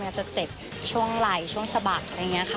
จะเจ็บช่วงไหล่ช่วงสะบักอะไรอย่างนี้ค่ะ